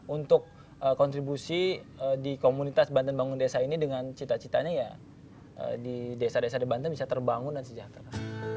untuk kontribusi di komunitas banten bangun desa ini dengan cita citanya ya di desa desa di banten bisa terbangun dan sejahtera